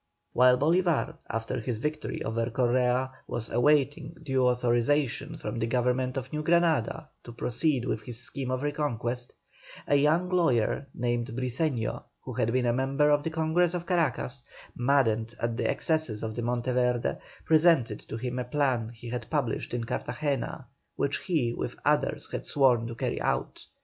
While Bolívar, after his victory over Correa, was awaiting due authorization from the Government of New Granada to proceed with his scheme of reconquest, a young lawyer named Briceño, who had been a member of the Congress of Caracas, maddened at the excesses of Monteverde, presented to him a plan he had published in Cartagena, which he with others had sworn to carry out.